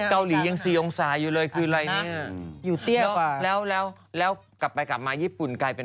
ใครเป็นคนถ่ายมายเป็นเอ๊ะไฟท่ายถ่าย